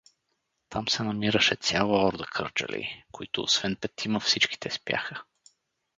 Там се намираше цяла орда кърджалии, които освен петима всичките спяха.